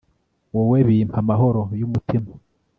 wowe, bimpa amahoro y'umutima